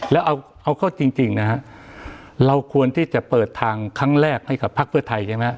แล้วเอาเข้าจริงนะฮะเราควรที่จะเปิดทางครั้งแรกให้กับพักเพื่อไทยใช่ไหม